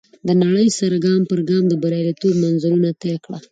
د نړۍ سره ګام پر ګام د برياليتوب منزلونه طی کړه.